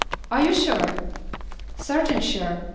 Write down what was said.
"Are you sure?" "Certain sure.